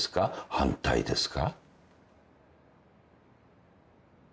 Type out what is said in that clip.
反対ですか？